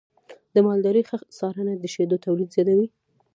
د مالدارۍ ښه څارنه د شیدو تولید زیاتوي.